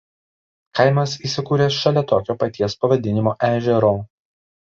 Kaimas įsikūręs šalia tokio paties pavadinimo ežero.